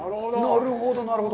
なるほど、なるほど。